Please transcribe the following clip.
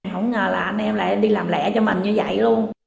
không ngờ là anh em lại đi làm lẻ cho mình như vậy luôn